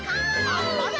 あっぱれ！